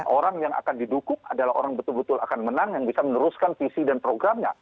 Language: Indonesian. orang yang akan didukung adalah orang betul betul akan menang yang bisa meneruskan visi dan programnya